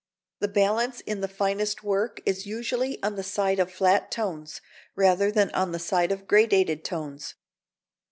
The balance in the finest work is usually on the side of flat tones rather than on the side of gradated tones.